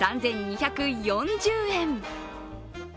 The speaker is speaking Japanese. ３２４０円。